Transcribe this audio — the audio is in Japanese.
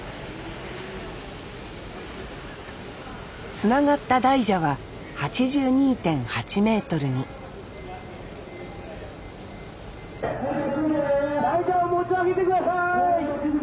つながった大蛇は８２．８メートルに・はいじゃあ持ち上げて下さい！